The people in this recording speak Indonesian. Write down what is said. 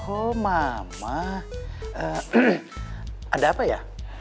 oh mama ada apa ya